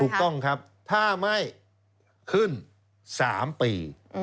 ถูกต้องครับถ้าไม่ขึ้น๓ปี